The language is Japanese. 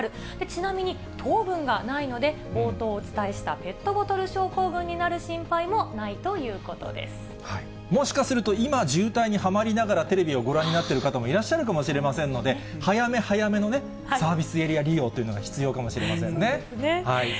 ちなみに糖分がないので、冒頭お伝えしたペットボトル症候群になもしかすると、今、渋滞にはまりながら、テレビをご覧になってる方もいらっしゃるかもしれませんので、早め早めのね、サービスエリア利用というのが必要かもしれませんそうですね。